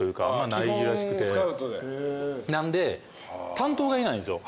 担当がいないんですよ